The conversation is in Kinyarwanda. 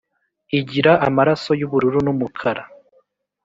igira amaraso y’ubururunumukara